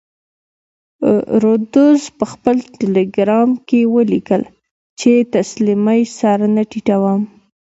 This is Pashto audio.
رودز په خپل ټیلګرام کې ولیکل چې تسلیمۍ سر نه ټیټوم.